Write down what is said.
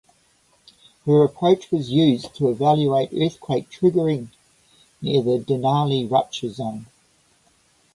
Her approach was used to evaluate earthquake triggering near the Denali rupture zone.